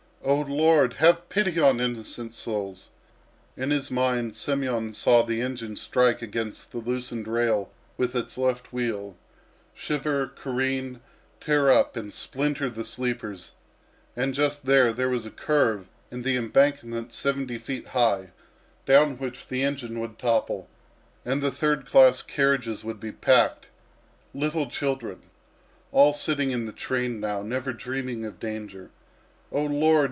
"Oh, Lord! Have pity on innocent souls!" In his mind Semyon saw the engine strike against the loosened rail with its left wheel, shiver, careen, tear up and splinter the sleepers and just there, there was a curve and the embankment seventy feet high, down which the engine would topple and the third class carriages would be packed ... little children... All sitting in the train now, never dreaming of danger. "Oh, Lord!